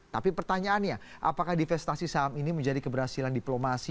tapi pertanyaannya apakah divestasi saham ini menjadi keberhasilan diplomasi